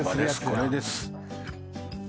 これです。